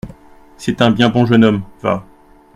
C’est un bien bon jeune homme, va.